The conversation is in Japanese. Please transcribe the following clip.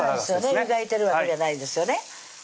湯がいてるわけじゃないですよね